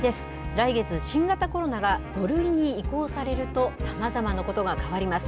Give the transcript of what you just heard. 来月、新型コロナが５類に移行されると、さまざまなことが変わります。